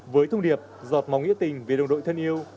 với thông điệp giọt máu nghĩa tình về đồng đội thân yêu